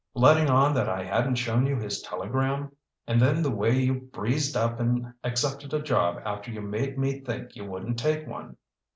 "Letting on that I hadn't shown you his telegram. And then the way you breezed up and accepted a job after you made me think you wouldn't take one."